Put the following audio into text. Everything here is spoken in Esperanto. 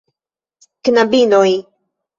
Knabinoj!